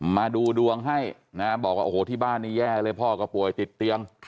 มาดูดวงให้นะบอกว่าโอ้โหที่บ้านนี้แย่เลยพ่อก็ป่วยติดเตียง